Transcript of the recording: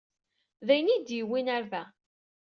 D ayen i yi-d-yewwin ɣer da.